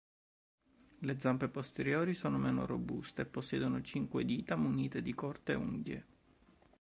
Le zampe posteriori sono meno robuste e possiedono cinque dita munite di corte unghie.